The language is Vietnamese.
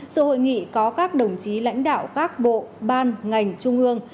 sự hội nghị có các đồng chí lãnh đạo các bộ ban ngành trung ương